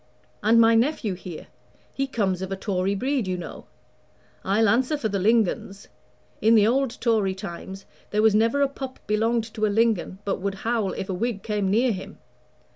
"And my nephew here he comes of a Tory breed, you know I'll answer for the Lingons. In the old Tory times there was never a pup belonged to a Lingon but would howl if a Whig came near him.